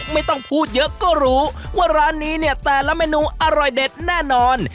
ไม่ต้องพูดเยอะก็รู้ว่าร้านนี้เนี่ยแต่ละเมนูอร่อยเด็ดแน่นอน